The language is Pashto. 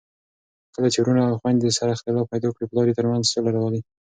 کله چي وروڼه او خويندې سره اختلاف پیدا کړي، پلار یې ترمنځ سوله راولي.